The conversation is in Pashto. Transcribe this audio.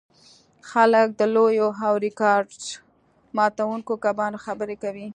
خلک د لویو او ریکارډ ماتوونکو کبانو خبرې کوي